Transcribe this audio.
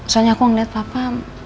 soalnya aku ngeliat papa